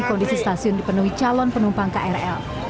kondisi stasiun dipenuhi calon penumpang krl